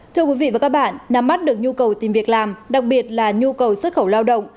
thưa quý vị và các bạn nắm mắt được nhu cầu tìm việc làm đặc biệt là nhu cầu xuất khẩu lao động